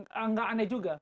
enggak aneh juga